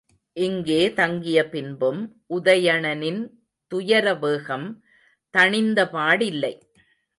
இங்கே தங்கியபின்பும் உதயணனின் துயரவேகம் தணிந்தபாடில்லை.